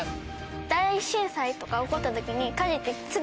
大震災とか起こった時に。